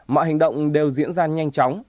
mọi hành động đều diễn ra nhanh chóng